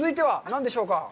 何でしょうか。